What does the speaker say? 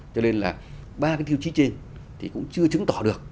cho nên là ba cái tiêu chí trên thì cũng chưa chứng tỏ được